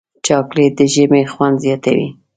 چاکلېټ د ژمي خوند زیاتوي.